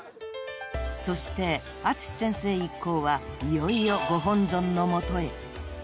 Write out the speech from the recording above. ［そして淳先生一行はいよいよご本尊の下へ］